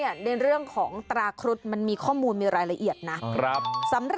อันนั้นจดหมายส่วนตัว